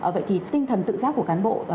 vậy thì tinh thần tự giác của cán bộ